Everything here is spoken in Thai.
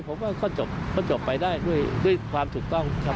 ผมว่าก็จบไปได้ด้วยความถูกต้องครับ